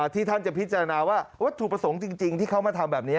ที่ท่านจะพิจารณาว่าวัตถุประสงค์จริงที่เขามาทำแบบนี้